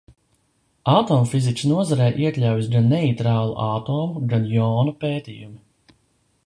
Atomfizikas nozarē iekļaujas gan neitrālu atomu, gan jonu pētījumi.